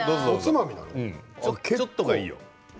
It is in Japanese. ちょっとがいいよ。